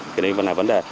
cái đấy là vấn đề